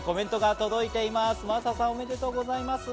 おめでとうございます。